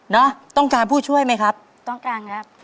ต้องการผู้ช่วยไหมครับต้องการครับ